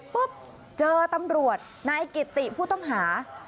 เจอตำรวจนายกิติผู้ต้องหา